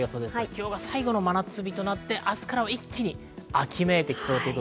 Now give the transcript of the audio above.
今日は最後の真夏日となって明日からは一気に秋めいてきそうです。